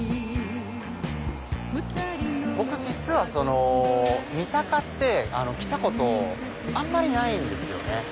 僕実は三鷹って来たことあんまりないんですよね。